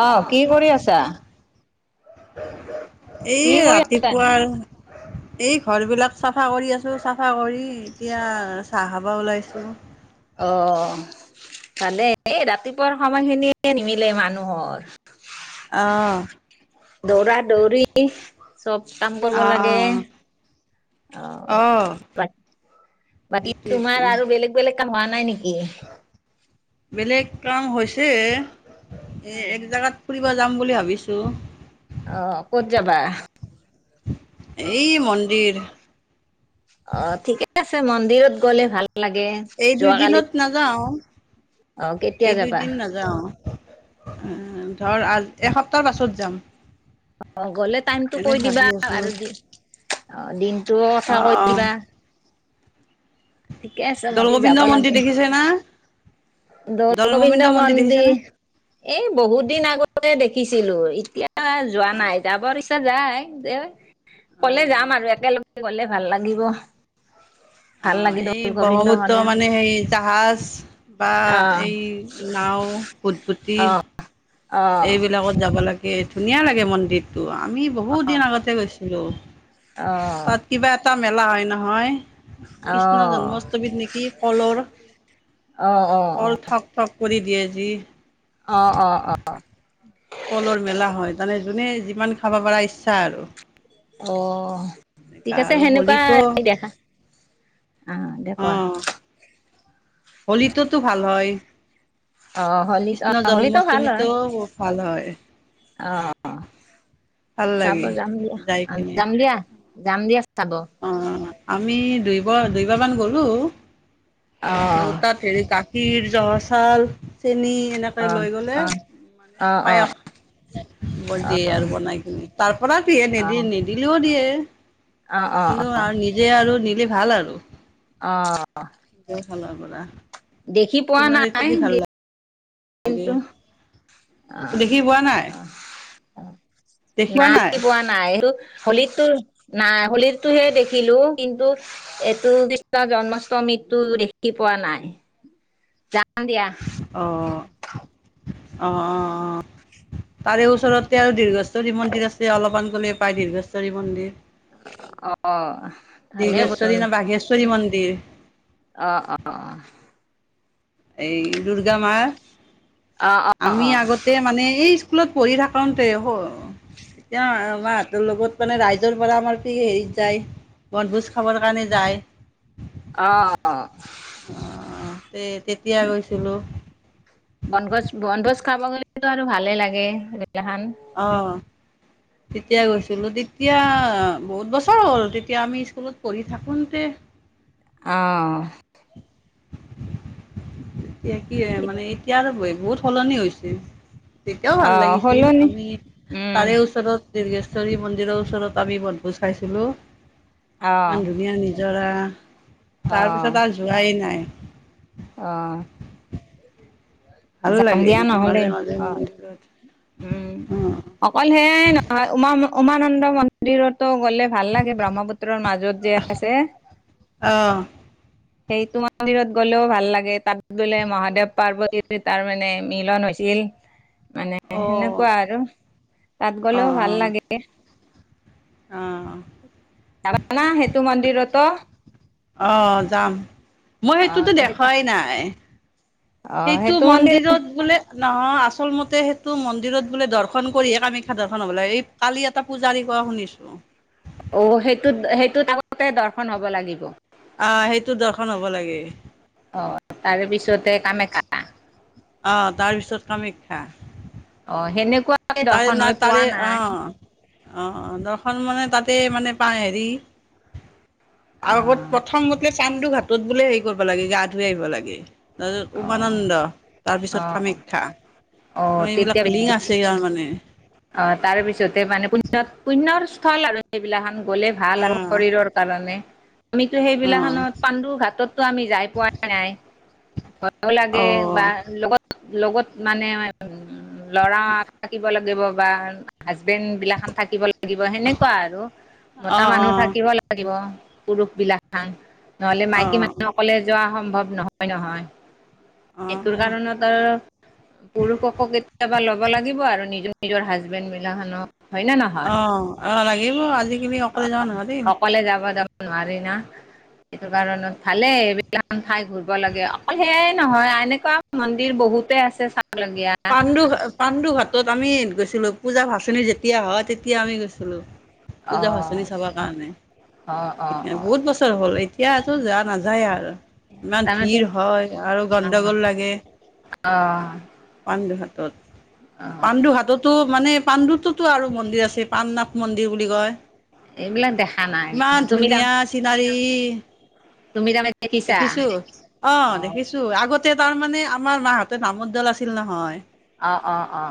অঁ কি কৰি আছা? এই কি কৰি আছা? ৰাতিপুৱাৰ [inaudible] এই ঘৰ বিলাক চাফা কৰি আছো চাফা কৰি এতিয়া চাহ খাবা ওলাইছো। অ। ভালে এই ৰাতিপুৱাৰ সময়খিনিয়ে নিমিলে মানুহৰ। অ। দৌৰা- দৌৰি চব কাম কৰব আহ লাগে। আহ আহ অহ, বাকী সেইটোৱেতো তোমাৰ আৰু বেলেগ- বেলেগ [unintelligible] হোৱা নাই নেকি? বেলেগ কাম হৈছে এ' এক জোগাত ফু পোৱা যাম বুলি ভাবিছো। অহ, ক'ত যাবা? এই মন্দিৰ অ ঠিকে আছে, মন্দিৰত গ'লে ভাল। লাগে এই দুই যোৱাকালি দিনত নাযাওঁ, অ' কেতিয়া এই যাবা? দুইদিন নাযাওঁ। ধৰ, আৰ এসপ্তাহ পাছত যাম। অ গলে টাইমটো এনে কৈ ভাবি দিবা আছো আৰু দিন অ দিন ত' অ কথা কৈ অ দিবা। ঠিকে আছে, দৌল নদী গোবিন্দ যাব মন্দিৰ লাগে। দেখিছে না দৌল -গোবিন্দ মন্দিৰ দেখিছে না মন্দিৰ এই বহুত দিন আগতে দেখিছিলো এতিয়া যোৱা নাই যাবৰ ইচ্ছা যায় যে ক'লে অ যাম আৰু একেলগে গলে ভাল লাগিব। অ, ভাল লাগি এই দৌল গোবিন্দ ব্ৰহ্মপুত্ৰ মন্দিৰ মানে হে জাহাজ বা অ, আহ এই নাও ভুতভুতি আহ আহ এইবিলাকত যাব লাগে। তাকে ধুনীয়া লাগে মন্দিৰটো। আমি বহুত দিন আগতে গৈছিলো। অহ মেলা হয় নহয়। কৃষ্ণ আহ জন্মঅষ্টমীত নেকি কলৰ অ অ অ কল ঠক-ঠক কৰি দিয়ে যি। অঁ অঁ অঁ। কলৰ মেলা হয় তানে যোনে যিমান খাব পাৰ ইচ্ছা আৰু। অঁ এনেকা ঠিক আছে আৰু সেনেকুৱা হোলীটো দেখা অঁ দেখা কোৱা। অ' হোলীটোতো ভাল হয়। অ হলিত' কৃষ্ণ অ হলীত' ভাল জন্মাষ্টমীতো হয়, ভাল হয় অ। ভাল চাব লাগে যাম দিয়া যাই কিনে -যাম দিয়া- যাম দিয়া চাব। অ', আমি দুইব দুবাৰামান গ'লো আৰু অ তাত হেৰি খীৰ জহা চউাল চেনি এনেকৈ অ', লৈ গ'লে অ', মানে অ', অ', পায়স নিব দিয়ে আৰু বনাই কিনে তাৰ পৰা নিদি- অ', নিদিলেও দিয়ে। অ', অ', কিন্তু আৰু নিজে আৰু নিলে ভাল আৰু। অহ নিজৰ ফালৰ পৰা। দেখি পোৱা কিনৰিত নাই থাকি ভাল [unintelligible] লাগে কিন্তু দেখি পোৱা নাই অ-অ-অ দেখি না নাই আহি পোৱা নাই এইটো হোলীতো নাই হোলীৰটোহে দেখিলো কিন্তু এইটো কৃষ্ণৰ জন্মাষ্টমী সিটো দেখি পোৱা নাই যাম দিয়া। অহ - অহ - অহ - অহ তাৰে ওচৰতে আৰু দীৰ্ঘচৰী মন্দিৰ আছে, অলপমান গলে পায় দীৰ্ঘেশ্বৰী মন্দিৰ। অ। ভালে দীৰ্ঘেশ্বৰী বচন না বাঘেশ্বৰী মন্দিৰ অ, অ, অ। এই দুৰ্গা মাৰ, অ', আমি অ', আগতে মানে এই স্কুলত পঢ়ি থাকোতেৰ লগত ম নিজৰ পৰা আমাৰ আপি হেৰিত যায় বনভোজ খাবৰ কাৰণে যায়। অ অঁ তে তেতিয়া গৈছিলোঁ। বন ভোজ, বন ভোজ খাব গলেটো আৰু ভালে লাগে। এইগিলাখান অঁ। [unintelligible] তেতিয়া গৈছিলোঁ তেতিয়া বহুত বছৰ হ'ল তেতিয়া আমি স্কুলত পঢ়ি থাকোতে- অঁ। এতিয়া কি মানে এতিয়া আৰু বহুত সলনি হৈছিল। তেতিয়াও ভাল অ', লাগিছিল সলনি আমি উম, তাৰে ওচৰত দীৰ্ঘেশ্বৰী মন্দিৰৰ ওচৰত আমি বনভোজ খাইছিলো। অ', ইমান ধুনীয়া নিজ ধৰা তাৰপিছত আৰু যোৱাই নাই। অহ ভাল যাম লাগে দিয়া এনেকুৱা নহলে মাজে মাজে অ। মন্দিৰত উম, অকল সেয়াই নহয় উমা উমানন্দ মন্দিৰত ত গ'লে ভাল লাগে ব্ৰহ্মপুত্ৰৰ মাজত যে আছে। অ', সেইটো মন্দিৰত গ'লেও ভাল লাগে তাত গলে মহাদেৱ -পাৰ্বতীৰ তাৰ মানে মিলন হৈছ- ইয়েল মানে অ', অ', সেনেকুৱা আৰু তাত গলেও ভাল অ', লাগে। অ', অ', জাবানা সেইটো মন্দিৰত অ'? অ, যাম। মই অ সেইটোতো দেখই নাই। অ সেইটো মন্দিৰ মন্দিৰত বোলে নহয় আচল মতে সেইটো মন্দিৰত বোলে দৰ্শন কৰিহে কামাখ্যা দৰ্শন হব লাগে। এই কালি এটা পূজাৰী কোৱা শুনিছোঁ। অ সেইটোত সেইটোত আগতে দৰ্শন হব লাগিব। অ সেইটো দৰ্শন হব লাগে। অ, তাৰ পিছতে কামেকা। অঁ তাৰ পিছত কামাখ্যা সেনেকুৱা তাৰে না তাৰে অ। অ-অ দৰ্শন মানে তাতে মানে পা হেৰি অ আৰু আগত প্ৰথমতে চান্দু ঘাটত বোলে হেৰি কৰিব লাগে গা ধুই আহিব লাগে। তাৰপিছত অ উমানন্দ, অ তাৰপিছত কামাখ্যা অ এইবিলাক তেতিয়া লিং আছে ইয়াৰ মানে। অ তাৰ পিছতে মানে পুণ্য -পুণ্যৰ স্থল আৰু সেইবিলাখান। গ'লে ভাল আৰু অ', শৰীৰৰ কাৰণে। আমিতো অ', সেইবিলাখনত পাণ্ডুৰ ঘাটতো আমি যাই পোৱা নাই। যাব লাগে বা অ', লগত লগত মানে উ ল'ৰা থাকিব লাগিব বা হাজবেণ্ড বিলাসন থাকিব লাগিব সেনেকুৱা আৰু অ', মতা অ', মানুহ থাকিব লাগিব। পুৰুষ বিলাখান নহলে মাইকী অ', মানুহ অকলে যোৱা সম্ভৱ নহয়- নহয়। সেইটোৰ অ', কাৰণত অ পুৰুষকো কেতিয়াবা ল'ব লাগিব আৰু নিজৰ নিজৰ হাজবেণ্ড বিলাখানক অ, অ লাগিব। আজিকালি অকলে যাব নোৱাৰি। থবা যাব নোৱাৰে না। এইটো কাৰণত ভালেই। এই [unintelligible] খন ঠাই ঘূৰব লাগে। অকল সেয়াই নহয় এনেকুৱা মন্দিৰ বহ বহুতে আছে ছা - পাণ্ডু ঘা পাণ্ডু ঘাট ত আমি গৈছিলো পূজা ভাচনি যেতিয়া হয় তেতিয়া আমি গৈছিলো। পূজা অ', ভাচনি চাব কাৰণে। অ', অ', এয়া অ', বহুত বছৰ হ'ল এতিয়াতো যা নাযায় আৰ। ইমান তাৰমানে তো ভিৰ হয় আৰু অ', গণ্ডগোল লাগে। অ। পাণ্ডু হাতত অ', পাণ্ডু হাততো মানে পাণ্ডুত তো আৰু মন্দিৰ আছে পাণ নথ মন্দিৰ বুলি কয়। এইবিলাক দেখা নাই ইমান তুমি তাৰ ধুনীয়া চিনাৰী। তুমি তামানে দেখিছো অ দেখিছো আগতে তাৰমানে। আমাৰ মাহঁতে নামদ দল আছিল নহয়। অ অ অ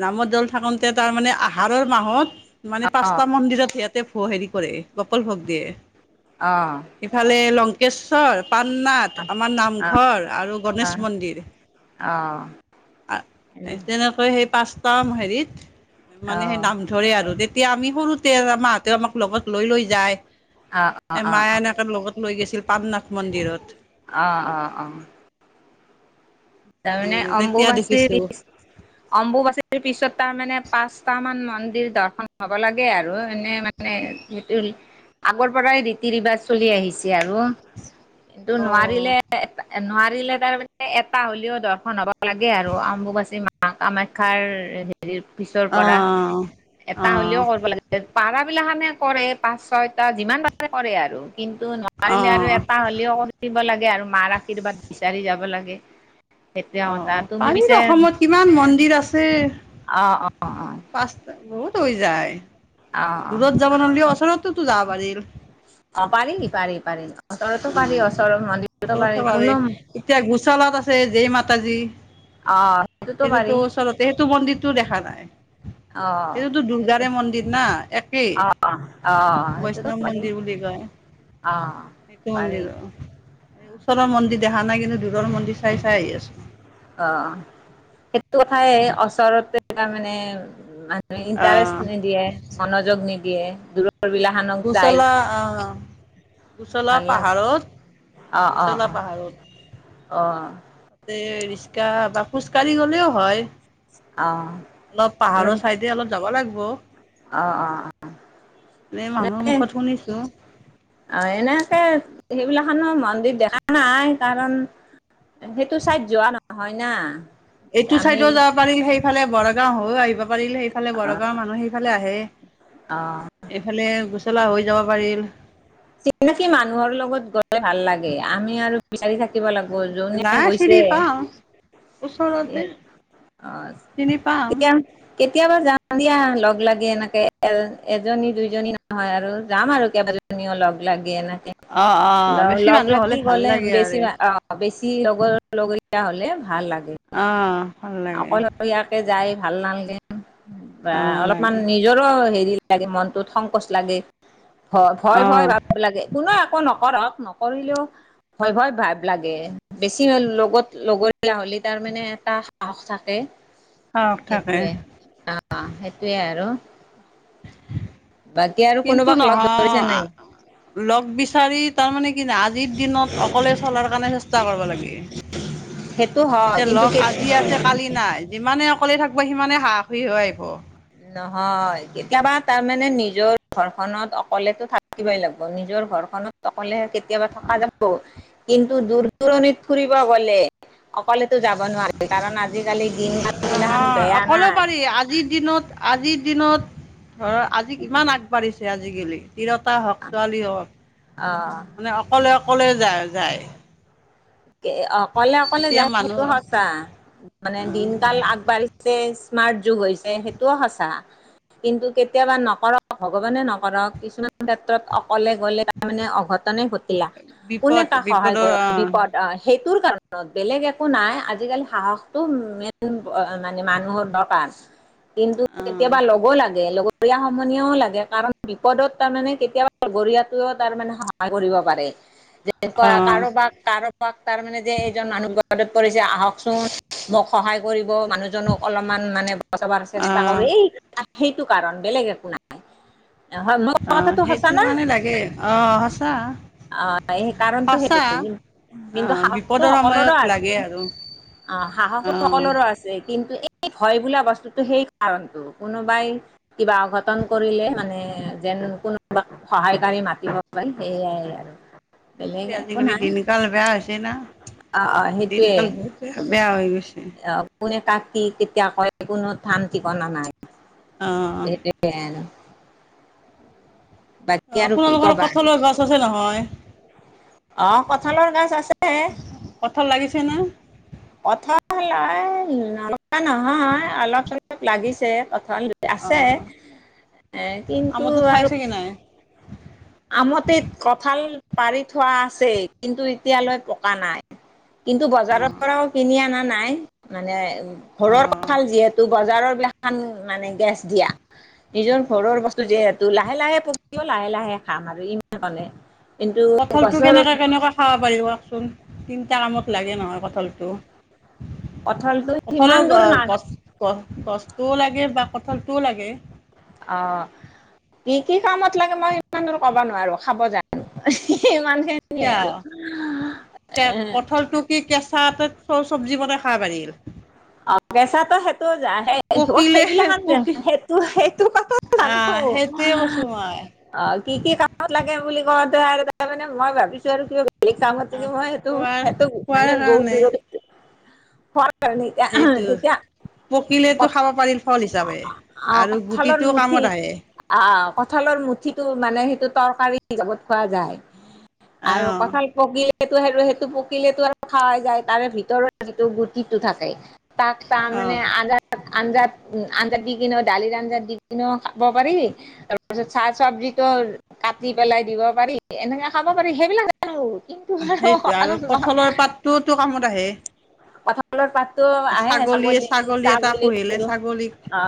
নামৰ দল থাকোঁতে তাৰমানে আহাৰৰ মাহত মানে অ', অ', অ', অ', অ', পাঁচটা অ', মন্দিৰত সিয়াঁতে ভ হেৰি কৰে। গপাল ভক দিয়ে ইফালে লংকেশ্বৰ পাননাথ, আমাৰ নামঘৰ আৰু গণেশ মন্দিৰ তেনেকৈ সেই পাঁচটা হেৰিত। মানে সেই নাম ধৰে আৰু তেতিয়া আমি সৰুতে মাহঁতে আমাক লগত লৈ লৈ যায়। অ', এ অ', মায়া অ', এনেকে লগত লৈ গৈছিল পামনাাথ মন্দিৰত। অহ অ অ। তাৰমানে তেতিয়া অম্বুবাচীৰ দেখিছো অম্বুবাচীৰ পিছত তাৰমানানে। পাঁচটা মান মন্দিৰ দৰ্শন হব লাগে আৰু এনে মানে সেইটো। আগৰ পৰাই ৰীতি ৰিবাজ চলি আহিছে আৰু কিন্তু অ নোৱাৰিলে এ নোৱাৰিলে তাৰমানে এট- টা হ'লেও দৰ্শন হ'ব লাগে আৰু অম্বুবাচী মা কামাখ্যাৰ হেৰি পিছৰ অ পৰা অ এটা হ'লেও কৰিব লাগে পাৰা। বিলাকখানে কৰে পাঁচ ছয়টা যিমান পাৰে কৰে আৰু কিন্তু অ নোৱাৰিলে আৰু এটাহ হ'লেও কৰি দ লাগে আৰু মাৰ আশীৰ্বাদ বিচাৰি যাব লাগে। সেইটোৱে অ কথা তুমি পিছে পাৰিবা, অসমত কিমান মন্দিৰ আছে। অ', অ', অ', পাঁচটা বহুত হৈ যায়। অ', অ'। দূৰত যাব নহলে ওচৰতোটো যাব পাৰিল। অ', পাৰি পাৰি পাৰি ওচৰতো পাৰি ওচৰৰ মন্দিৰতো [unintelligible] পাৰি অ কোনো এতিয়া গোচলত আছে যে মান। যে অ', সেইটোতো পাৰি ওচৰতে সেইটো মন্দিৰটোও দেখা নাই। অ', এইটোতো সেইটো দুৰ্গাৰে মন্দিৰ না। একেই অ', অ', সেইটোতো বৈষ্ণৱ পাৰি মন্দিৰ বুলি কয়। অ। পাৰি মন্দিৰৰ। ওচৰৰ মন্দিৰ দেখা নাই কিন্তু দূৰৰ মন্দিৰ চাই চাই আহি আছো। অ', সেইটো কথাই ওচৰতে তাৰমানে মানুহে আহ ইণ্টাৰেষ্ট নিদিয়ে, মনোযোগ নিদিয়ে, দূৰ ৰ বিল খানক যায়। গোচলা আহ গোচলা ভাল লাগে। পাহাৰত গোচলা পাহাৰত অ-অ-অ, অ। তাতে ৰিচকা বা খোজ কাঢ়ি গলেও হয়। অ', অলপ পাহাৰৰ চাইডে অলপ যাব লাগব। অ-অ-অ। মানুহৰ এনে মুখত শুনিছো আৰু এনেকে সেইবিলাক ৰ মন্দিৰ দেখা নাই। কাৰণ সেইটো চাইড যোৱা নহয় না। এইটো আমি চাইডো যাব পাৰিল। সেইফালে বৰগাঁও হৈও আহিব পাৰিলে সেইফালে অ বৰগাঁৱৰ মানুহে সেইফালে আহে। অ এইফালে হৈ যাব পাৰিল। চিনাকি মানুহৰ লগত গৈ ভাল লাগে। আমি আৰু বিচাৰি থাকি থাকিব লাগব যুনে নাই গৈছে। চিৰি পাওঁ ওচৰতে অ চিনি পাম এয়া কেতিয়াবা যাম দিয়া লগ লাগি এনেকে। এজনী দুইজনী নহয় আৰু যাম আৰু কেইবাজনী। লাগে, লাগে। অ অ বেছি লগ মানুহ হলে লাগি ভাল গ'লে লাগে বেছি আৰু অ বেছি বেছি লগৰ লগৰীয়া হলে ভাল লাগে। অ ভাল লাগে অকলৰীয়াকে যাই ভাল নালগে বা ভাল অলপমান নালাগে নিজৰো হেৰি লাগে মনটোত সংকোচ লাগে। ভ ভয় অ ভয় ভাব লাগে। কোনো নকৰক নকৰিলেও ভয় ভয় ভাৱ লাগে। বেছি লগত লগৰীয়া হলে তাৰ মানে এটা সাহস থাকে। সাহস থাকে সেইটোৱে। অ সেইটোৱে আৰু। বাকী আৰু কিন্তু কোনোবাক লগ নহয় ধৰিছেনে নাই? লগ বিচাৰি তাৰমানে কি ন আজিৰ দিনত অকলে চলাৰ কাৰণে চেষ্টা কৰব লাগে। সেইটো হয় এতিয়া লগ আজি, কিন্তু আছে কালি নাই। যিমানে অকলে থাক কিব সিমানে সাহসী হৈ আইব। নহয়। কেতিয়াবা তাৰমানে নিজৰ ঘৰখনত অকলেতো থাকিবই লাগব। নিজৰ ঘৰখনত। অকলে কেতিয়াবা থকা যাব। কিন্তু দূৰ-দূৰণিত ফুৰিব গলে অকলে যাব নোৱাৰি। কাৰণ আজিকালি দিন গাল গিলাখখন নহয় বেয়া না। অকলেও পাৰি আজিৰ দিনত আজিৰ দিনত ধৰ আজি ইমান আগবাঢ়িছে আজিকালি। তিৰতা হওক, ছোৱালী হওক অ মানে অকলে অকলে যায়, যায়। অকলে অকলে এতিয়া যায় মানুহ সেইটো সঁচা। মানে আহ দিনকাল আগবাঢ়ি স্মাৰ্ট যুগ হৈছে, সেইটোও সঁচা। কিন্তু কেতিয়াবা নকৰক ভগৱানে নকৰক কিছুমান ক্ষেত্ৰত অকলে গ'লে তাৰ মানে অঘটনে ঘটে। কোনে বিপদ তাক সহায় বিপদৰ কৰ আহ বিপদ আহ সেইটোৰ কাৰণত বেলেগ একো নাই। আজিকালি সাহসটো মেইন মানে, মানুহৰ দৰকাৰ। কিন্তু আহ কেতিয়াবা লগো লাগে। লগত গৰীয়া সমনীয়াও লাগে কাৰণ বিপদত তাৰমানে কেতিয়াবা লগৰীয়াটোৱেও তাৰমানে সহায় কৰিব পাৰে। যে আহ কাৰোবাক কাৰো তাৰ মানে যে এইজন মানুহত পৰিছে আহকচোন মোক সহায় কৰি মানুহজনক অলপমান মানে বচাব চেষ্টা আহ কৰি সেইটো কাৰণ বেলেগ একো নাই। হয় মোৰ অ কথাটো সঁচা সেইটো না কাৰণে লাগে আহ সঁচা। অ স কাৰণটো সেইটো সঁচা কি কিন্তু আহ সাহসটো বিপদৰ সকলোৰেো সময়ত আছে। লাগে আৰু অ সাহসো আহ সকলোৰো আছে কিন্তু এ ভয় বোলা বস্তুটো সেই কাৰণটো কোনোবাই কিবা অঘটন কৰিলে মানে কোনোবাক সহায়কাৰি মাতিব পাৰি সেইয়াই আৰু বেলেগ একো নাই। কাল বেয়া হৈছে না, অ অ দিন কাল সেইটোৱে বহুত বেয়া হৈ গৈছে। অ' কোনে কাক কি কেতিয়া কয় কোনো ধান ঠিকনা নাই আহ সেইটোয়ে আৰু। বাকী অ আৰু কি আপোনালোকৰ কঠলৰ গছ আছে নহয়। আহ কঠালৰ গছ আছে। কঠাল লাগিছে না কঁঠাল এ নলগা নহয় অলপ চলপ লাগিছে। ধ অ আছে এ কিন্তু আমৰটোত আৰু খাইছে কি নাই আমঠিত কঁঠাল পাৰি থোৱা আছেই কিন্তু এতিয়ালৈ পকা নাই। কিন্তু অ বজাৰৰ পৰাও কিনি অনা নাই মানে ঘৰৰ অ কাল যিহেতু বজাৰৰ বিলাকান মানে গেছ দিয়া, নিজৰ ঘৰৰ বস্তু যিহেতু লাহে লাহে পকিব লাহে লাহে। খাম আৰু ইমান ক'লে। কঠলটো কেনেকে কেনেকে খাব পাৰি কওকচোন, তিনটা কামত লাগে নহয় কঠলটো। কঁঠালটো সিমান কঠালৰ দূৰ না গছ গছ গছটোও লাগে বা কঠলটোও লাগে। অ। কি কি কামত লাগে মই ইমান দূৰ কবা নোৱাৰো খাব জানো হি হি ইমান। খিনিয়ে আৰু কিয় এ কঠলটো কি কেঁচাতে চব চবজি বনাই খাবা পাৰি? [unintelligible] অঁ বেচাটো সেইটো আহে অঁ পকিলে সেইবিলা পকি সেই সেইটোপা আহ সেইটোৱে কৈছো মই অঁ কি কি কামত লাগে বুলি কলে? প্ৰথমতে মানে মই ভাবিছো আৰু ক এই কামতকে আহ মইটো খোৱাৰ খোৱাৰ মানে বহুত কাৰণে দূৰত কাৰণ এতিয়া সেইটো তেতিয়া পকিলেতো খাব পাৰিল ফল হিচাপে আহ আৰু কঁঠালৰ গুটিটো মুঠি কামত আহে আ কঁঠালৰ মুঠিটো মানে সেইটো তৰকাৰী হিচাপত খোৱা যায়, অ আৰু কঠাল পকী সেইটো সে সেইটো পকিলেটো আৰু খাৱাই যায় তাৰে ভিতৰৰ যিটো গুটিটো থাকে তাক ত অ মানে আঞ্জা আঞ্জাত আঞ্জাত দি কিনো দালিৰ আ দি কেনিও খাব পাৰি, তাৰপিছত চাহ চবজিটো কাটি পেলাই দিব পাৰি এনে তেনে খাব পাৰি সেইবিলাক আৰু। কিন্তু আৰু সেইটো আ ন কঁঠালৰ পাতটোওতো কামত আহে কঠালৰ পাত। তো আহ ন ছাগলীয়ে চাগল ছাগলী এটা পুহিলে চাগল ছাগলীক অ।